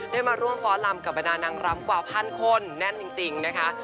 ได้มาร่วมฟ้อนลำกับบรรดานางรำกว่าพันคนแน่นจริงนะคะ